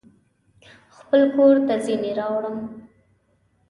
خپل کورته ځینې راوړم